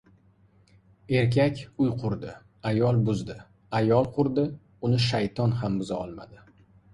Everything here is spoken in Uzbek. • Erkak uy qurdi — ayol buzdi, ayol qurdi — uni shayton ham buza olmadi.